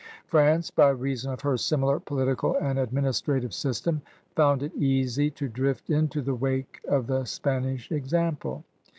France, by reason of her similar political and administrative system, found it easy to drift into the wake of the Spanish example.